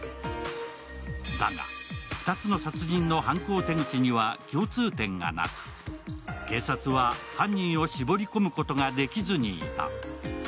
だが、２つの殺人の犯行手口には共通点がなく、警察は犯人を絞り込むことができずにいた。